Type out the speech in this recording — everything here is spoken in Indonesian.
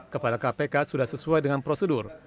kepada kpk sudah sesuai dengan prosedur